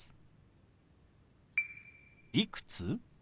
「いくつ？」。